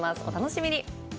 お楽しみに！